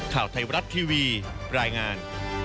ข่าวไทยรัฐทีวีรายงาน